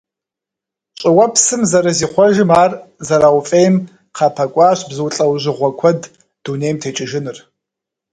ЩӀыуэпсым зэрызихъуэжым ар зэрауфӀейм къапэкӀуащ бзу лӀэужьыгъуэ куэд дунейм текӀыжыныр.